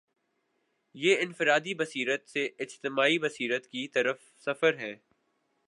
یہ انفرادی بصیرت سے اجتماعی بصیرت کی طرف سفر ہے۔